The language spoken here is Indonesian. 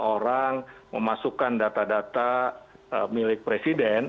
orang memasukkan data data milik presiden